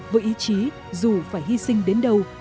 với ý chí dù phải hy sinh đến đâu